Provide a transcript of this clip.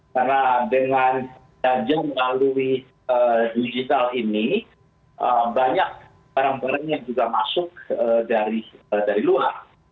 karena dengan jajan melalui digital ini banyak barang barang yang juga masuk dari luar